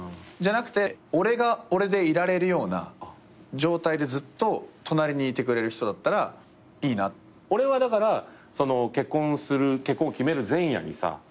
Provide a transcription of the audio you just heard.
じゃなくて俺が俺でいられるような状態でずっと隣にいてくれる人だったらいいな。俺はだから結婚を決める前夜にさ